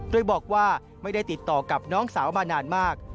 โดยบอกว่าไม่ได้ติดต่อกับน้องสาวมานานมาก